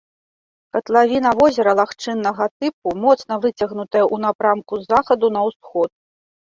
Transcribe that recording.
Катлавіна возера лагчыннага тыпу, моцна выцягнутая ў напрамку з захаду на ўсход.